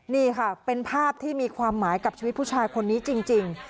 นี่ค่ะเป็นภาพที่มีความหมายกับชีวิตผู้ชายคนนี้จริง